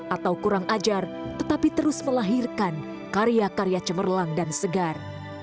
atau kurang ajar tetapi terus melahirkan karya karya cemerlang dan segar